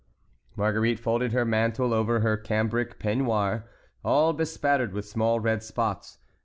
Marguerite folded her mantle over her cambric peignoir, all bespattered with small red spots.